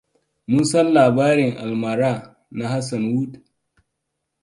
Mun san labarin almara na Hassan Hood.